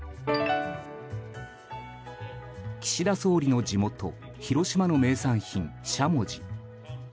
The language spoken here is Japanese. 岸田総理の地元広島の名産品、しゃもじ。